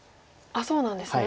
そうなんですね。